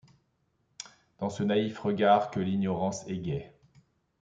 Dans ce naïf regard que l’ignorance égaie